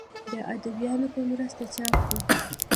د اديبانو پۀ مرسته چاپ کړه